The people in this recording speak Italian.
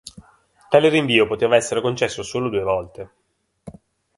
Tale rinvio poteva essere concesso solo due volte.